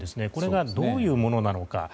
これがどういうものなのか。